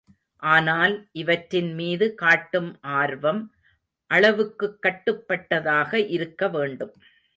ஆனால் இவற்றின் மீது காட்டும் ஆர்வம் அளவுக்குக் கட்டுப்பட்ட தாக இருக்கவேண்டும்.